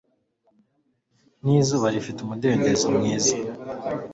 ni izuba rifite umudendezo mwiza